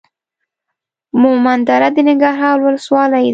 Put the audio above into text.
مومندره د ننګرهار ولسوالۍ ده.